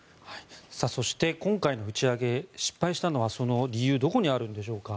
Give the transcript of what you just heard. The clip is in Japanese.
そして、今回の打ち上げ失敗したのはその理由どこにあるんでしょうか。